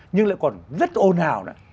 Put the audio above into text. nhưng lại còn rất ồn hào